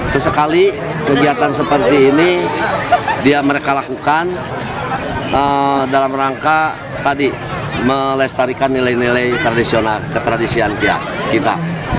sesekali kegiatan seperti ini dia mereka lakukan dalam rangka tadi melestarikan nilai nilai tradisional ketradisian kita